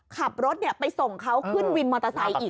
ขับรถไปส่งเขาขึ้นวินมอเตอร์ไซค์อีก